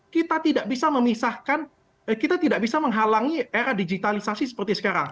kita tidak bisa memisahkan kita tidak bisa menghalangi era digitalisasi seperti sekarang